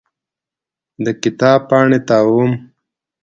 د کتاب پاڼې تاووم.